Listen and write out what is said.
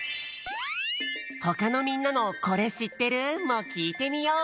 ほかのみんなの「コレしってる？」もきいてみよう！